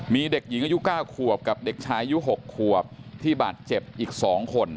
มีเด็กหญิงอายุ๙ขวบกับเด็กชายอายุ๖ขวบที่บาดเจ็บอีก๒คน